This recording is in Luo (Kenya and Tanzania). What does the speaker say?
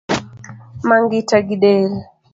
Ma ngita gidel